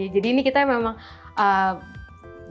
jadi ini kita memang